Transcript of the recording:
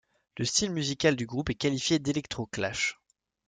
Le style musical du groupe est qualifié d'electroclash.